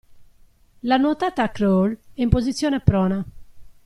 La nuotata a crawl è in posizione prona.